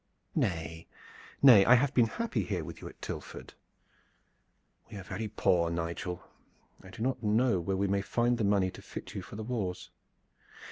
"Nay, nay, I have been happy here with you at Tilford." "We are very poor, Nigel. I do not know where we may find the money to fit you for the wars.